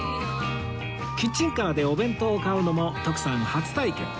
キッチンカーでお弁当を買うのも徳さん初体験